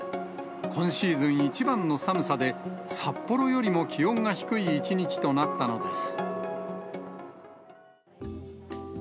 今シーズン一番の寒さで、札幌よりも気温が低い一日となったのです。